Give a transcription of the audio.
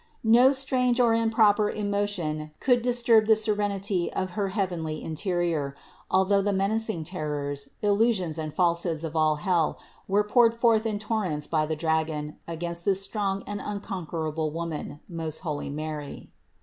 No strange or improper emo tion could disturb the serenity of her heavenly interior, although the menacing terrors, illusions and falsehoods of all hell were poured forth in torrents by the dragon THE INCARNATION 29/ against this strong and unconquered Woman, most holy Mary.